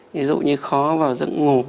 ví dụ như khó vào giấc ngủ